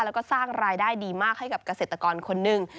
แล้วก็สร้างรายได้ดีมากให้กับเกษตรกรคนหนึ่ง